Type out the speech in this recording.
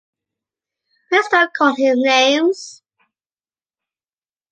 Please don't call him names!